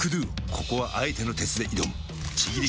ここはあえての鉄で挑むちぎり